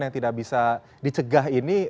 yang tidak bisa dicegah ini